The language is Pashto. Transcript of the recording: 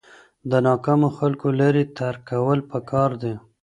د ناکامو خلکو لارې ترک کول پکار دي.